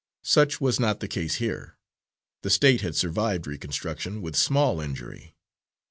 Such was not the case here. The State had survived reconstruction with small injury.